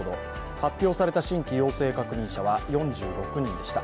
発表された新規陽性確認者は４６人でした。